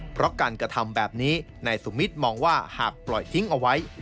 เพราะการกระทำแบบนี้นายสุมิตรมองว่าหากปล่อยทิ้งเอาไว้